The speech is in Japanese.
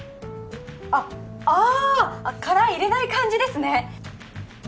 あっああ殻入れない感じですね